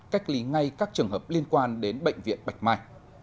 cách ly ngay các trường hợp liên quan đến bệnh viện bạch mai